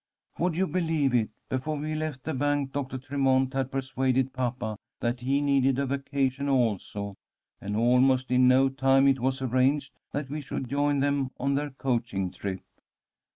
"'Would you believe it, before we left the bank, Doctor Tremont had persuaded papa that he needed a vacation also, and almost in no time it was arranged that we should join them on their coaching trip.